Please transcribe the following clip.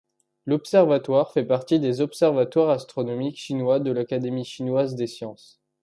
L'observatoire fait partie des Observatoires astronomiques chinois de l'Académie chinoise des sciences.